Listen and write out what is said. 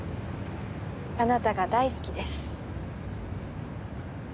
あなたが大好きです